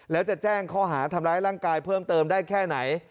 แล้วจะแจ้งข้อหาทำร้ายร่างกายเพิ่มเติมได้แค่ไหน